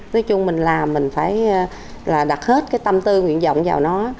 nói chung mình làm mình phải là đặt hết cái tâm tư nguyện vọng vào nó